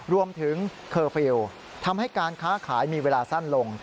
เคอร์ฟิลล์ทำให้การค้าขายมีเวลาสั้นลง